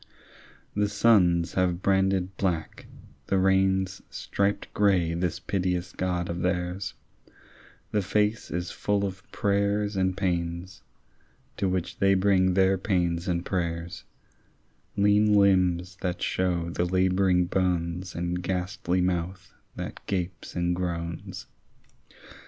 The suns have branded black, the rains Striped grey this piteous God of theirs; The face is full of prayers and pains, To which they bring their pains and prayers; Lean limbs that shew the labouring bones, And ghastly mouth that gapes and groans.